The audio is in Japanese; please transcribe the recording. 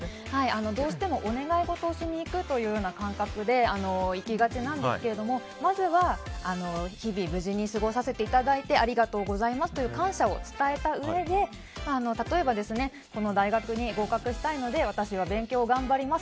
どうしてもお願い事をしにいくという感覚で行きがちなんですけれどもまずは日々無事に過ごさせていただいてありがとうございますという感謝を伝えたうえで例えばこの大学に合格したいので私は勉強を頑張ります。